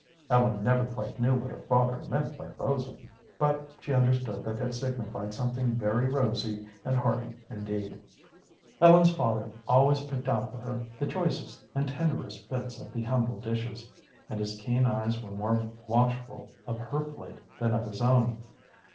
Ellen never quite knew what her father meant by bo'sn, but she understood that it signified something very rosy and hearty indeed. Ellen's father always picked out for her the choicest and tenderest bits of the humble dishes, and his keen eyes were more watchful of her plate than of his own.